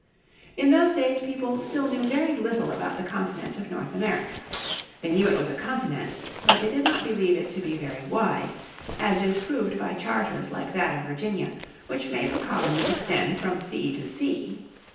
In those days people still knew very little about the continent of North America. They knew it was a continent, but they did not believe it to be very wide, as is proved by charters like that of Virginia which made the colony extend from sea to sea.